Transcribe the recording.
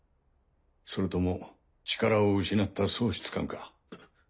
それとも力を失った喪失感か？